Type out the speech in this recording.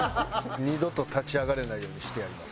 二度と立ち上がれないようにしてやります。